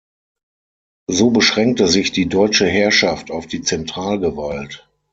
So beschränkte sich die deutsche Herrschaft auf die Zentralgewalt.